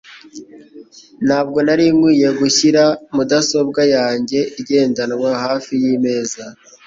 Ntabwo nari nkwiye gushyira mudasobwa yanjye igendanwa hafi yimeza.